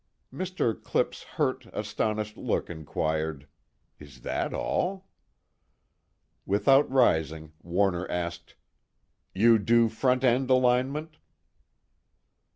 Mr. Clipp's hurt, astonished look inquired: Is that all? Without rising, Warner asked: "You do front end alignment?"